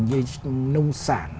như nông sản